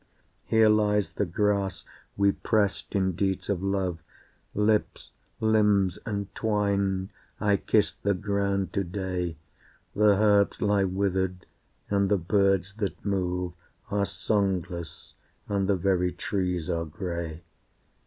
Here lies the grass we pressed in deeds of love, Lips, limbs entwined I kiss the ground to day. The herbs lie withered, and the birds that move Are songless, and the very trees are grey.